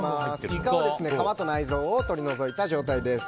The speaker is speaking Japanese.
イカは皮と内臓を取り除いた状態です。